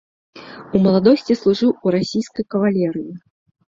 У маладосці служыў у расійскай кавалерыі.